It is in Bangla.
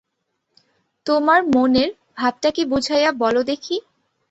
তোমার মনের ভাবটা কী বুঝাইয়া বলো দেখি।